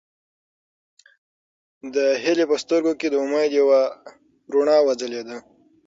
د هیلې په سترګو کې د امید یوه رڼا وځلېده.